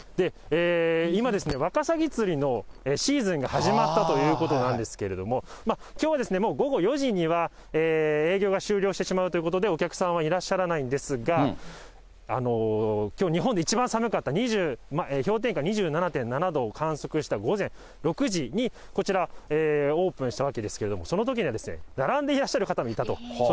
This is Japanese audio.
今、ワカサギ釣りのシーズンが始まったということなんですけれども、きょうは午後４時には営業が終了してしまうということで、お客さんはいらっしゃらないんですが、きょう日本で一番寒かった、氷点下２７．７度を観測した午前６時に、こちら、オープンしたわけですけども、そのときにはですね、並んでいらっしゃる方がいたと。